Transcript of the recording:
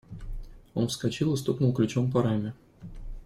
Он вскочил и стукнул ключом по раме.